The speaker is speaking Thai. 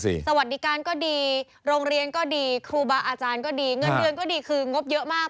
สวัสดีการก็ดีโรงเรียนก็ดีครูบาอาจารย์ก็ดีเงินเดือนก็ดีคืองบเยอะมาก